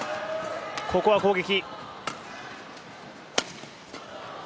ここは攻撃。